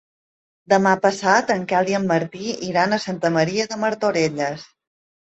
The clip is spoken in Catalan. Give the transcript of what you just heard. Demà passat en Quel i en Martí iran a Santa Maria de Martorelles.